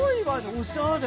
おしゃれ。